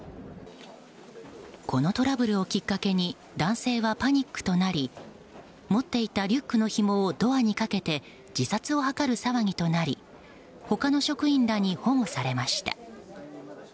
このトラブルをきっかけに男性はパニックとなり持っていたリュックのひもをドアにかけて自殺を図る騒ぎとなり他の職員らに保護されました。